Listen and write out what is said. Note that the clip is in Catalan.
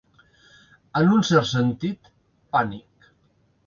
En un cert sentit, pànic.